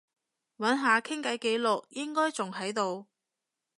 揾下傾偈記錄，應該仲喺度